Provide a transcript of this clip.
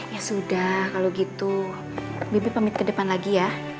ya sudah kalau gitu bibit pamit ke depan lagi ya